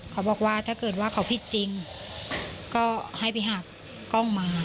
เขาบอกว่าถ้าเกิดว่าเขาผิดจริงก็ให้ไปหักกล้องมา